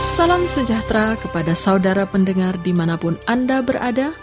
salam sejahtera kepada saudara pendengar dimanapun anda berada